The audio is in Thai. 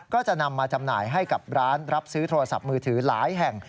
ก็จะนำมาจำหน่ายให้กับร้านรับซื้อโทรศัพท์มือถือหลายแห่ง